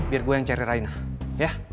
biar gue yang cari rainah ya